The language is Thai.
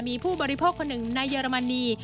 มีผู้บริโภคคนหนึ่งในเยอรมนี